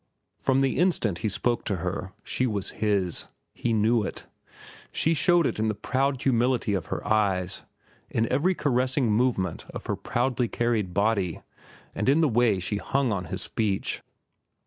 From the instant he spoke to her, she was his. He knew it. She showed it in the proud humility of her eyes, in every caressing movement of her proudly carried body, and in the way she hung upon his speech.